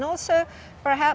dan juga mungkin